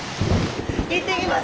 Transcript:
行ってきます！